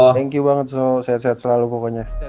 thank you banget so sehat selalu kokonya